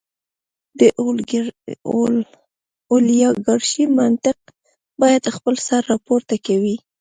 د اولیګارشۍ منطق بیا خپل سر راپورته کوي.